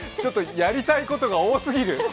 やりたいことが多すぎる。